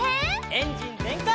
エンジンぜんかい！